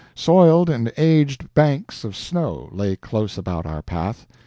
Soiled and aged banks of snow lay close about our path.